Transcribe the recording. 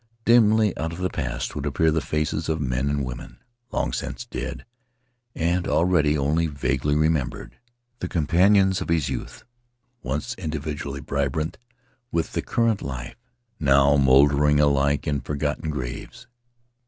Dimly out of the past would appear the faces of men and women — long since dead and already only vaguely remembered — the companions of his youth, once individually vibrant with the current of life, now moldering alike in forgotten graves.